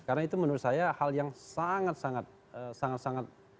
karena itu menurut saya hal yang sangat sangat